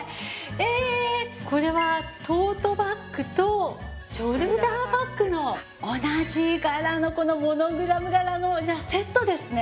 これはトートバッグとショルダーバッグの同じ柄のこのモノグラム柄のじゃあセットですね。